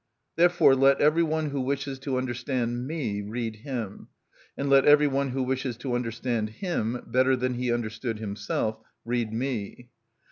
Therefore, let every one who wishes to understand me read him; and let every one who wishes to understand him, better than he understood himself, read me.